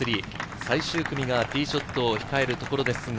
最終組がティーショットを控えるところですが。